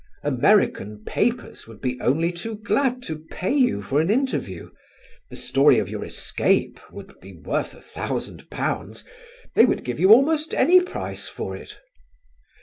American papers would be only too glad to pay you for an interview. The story of your escape would be worth a thousand pounds; they would give you almost any price for it.